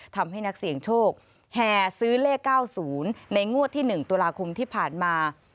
ทำให้นักเสี่ยงโชคแห่ซื้อเลข๙๐ในงวดที่๑ตุลาคมที่ผ่านมา